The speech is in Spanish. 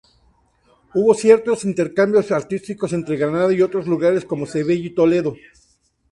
Hubo ciertos intercambios artísticos entre Granada y otros lugares, como Sevilla y Toledo.